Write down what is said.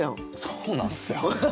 そうなんですよ！